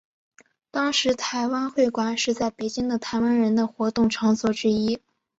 当时台湾会馆是在北京的台湾人的活动场所之一。